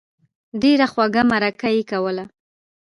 ډېره خوږه مرکه یې کوله.